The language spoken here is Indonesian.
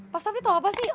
pastap ri tau apa sih